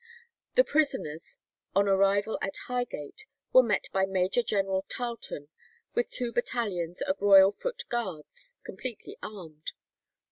The prisoners on arrival at Highgate were met by Major General Tarlton with two battalions of Royal Foot Guards, completely armed.